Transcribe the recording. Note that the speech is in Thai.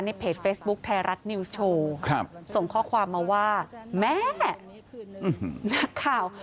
เพจเฟซบุ๊คไทยรัฐนิวส์โชว์ส่งข้อความมาว่าแม่นักข่าว